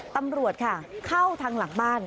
ตำรวจค่ะเข้าทางหลังบ้าน